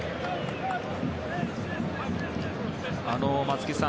松木さん